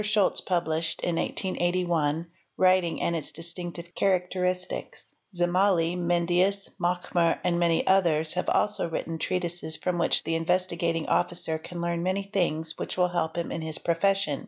Scholz % Beenshed in 1881 '" Writing and its distinctive hetiuchistiunion " Zim mali, Mendius, Machmer and many others "6 4 have also written ob treatises from which the Investigating Officer can learn many things which will help him in his profession.